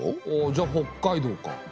あじゃあ北海道か。